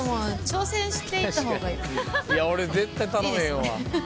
俺絶対頼めへんわ。